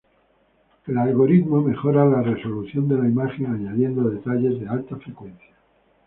El algoritmo mejora la resolución de la imagen añadiendo detalles de alta frecuencia.